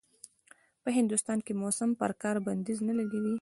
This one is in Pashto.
په هندوستان کې موسم پر کار بنديز نه لګوي.